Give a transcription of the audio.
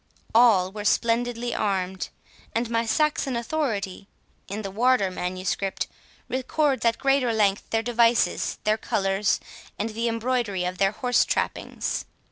All were splendidly armed, and my Saxon authority (in the Wardour Manuscript) records at great length their devices, their colours, and the embroidery of their horse trappings.